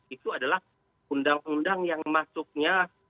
itu adalah undang undang yang masuknya